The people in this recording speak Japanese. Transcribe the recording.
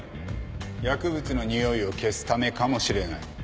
薬物のにおいを消すためかもしれない。